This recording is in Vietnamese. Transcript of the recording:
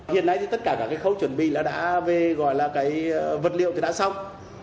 hiện nay thì tất cả các cái khâu chuẩn bị là đã về gọi là cái vật liệu thì đã xong